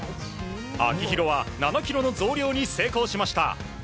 秋広は７ｋｇの増量に成功しました。